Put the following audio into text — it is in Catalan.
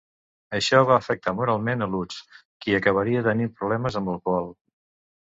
Això va afectar moralment a Lutz, qui acabaria tenint problemes amb l'alcohol.